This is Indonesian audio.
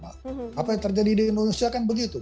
apa yang terjadi di indonesia kan begitu